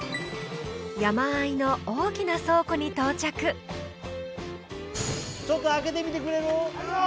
山あいの大きな倉庫に到着・ちょっと開けてみてくれる？